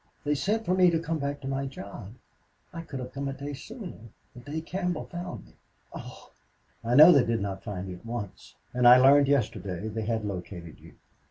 They sent for me to come back to my job. I could have come a day sooner the day Campbell found me.... Oh!" "I know they did not find you at once. And I learned yesterday they had located you.